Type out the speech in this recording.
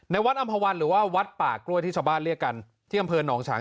วัดอำภาวันหรือว่าวัดป่ากล้วยที่ชาวบ้านเรียกกันที่อำเภอหนองฉาง